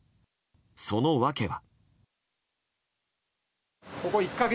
その訳は。